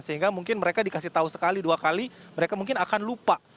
sehingga mungkin mereka dikasih tahu sekali dua kali mereka mungkin akan lupa